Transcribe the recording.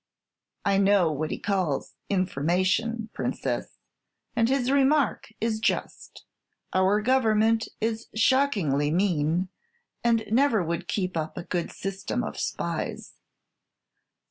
"I know what he calls 'information,' Princess; and his remark is just. Our Government is shockingly mean, and never would keep up a good system of spies."